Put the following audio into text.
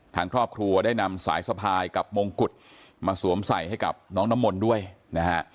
ทางครอบครัวได้นำสายสะพายกับมงกุฎมาสวมใส่ให้กับน้องน้ำมนต์ด้วยนะฮะ